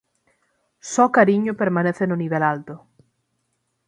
Só Cariño permanece no nivel alto.